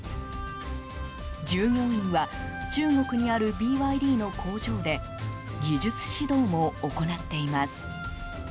従業員は中国にあるＢＹＤの工場で技術指導も行っています。